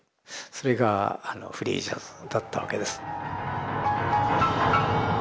それがフリージャズだったわけです。